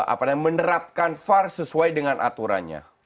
untuk menerapkan var sesuai dengan aturannya